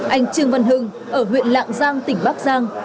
anh trương văn hưng ở huyện lạng giang tỉnh bắc giang